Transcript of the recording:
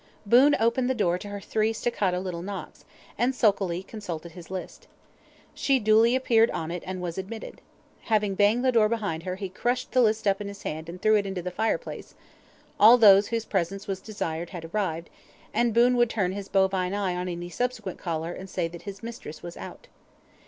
Boon opened the door to her three staccato little knocks, and sulkily consulted his list. She duly appeared on it and was admitted. Having banged the door behind her he crushed the list up in his hand and threw it into the fireplace: all those whose presence was desired had arrived, and Boon would turn his bovine eye on any subsequent caller, and say that his mistress was out.